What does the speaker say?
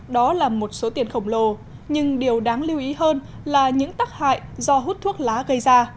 đó là một số tiền khổng lồ nhưng điều đáng lưu ý hơn là những tắc hại do hút thuốc lá gây ra